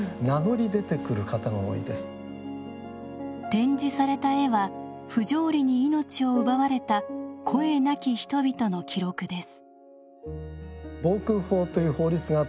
展示された絵は不条理に命を奪われた声なき人々の記録です。